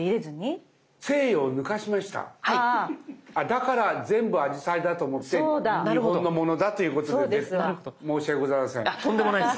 だから全部アジサイだと思って日本のものだということで出て申し訳ございません。